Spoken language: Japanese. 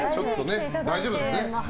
大丈夫ですね。